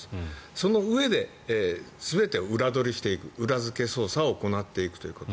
そのうえで全て裏取りしていく裏付け捜査を行っていくということ。